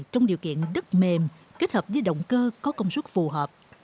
trong điều kiện đất mềm kết hợp với động cơ có công suất phù hợp